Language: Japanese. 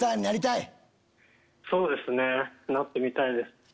そうですねなってみたいです。